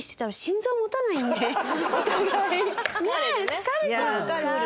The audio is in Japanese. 疲れちゃうから。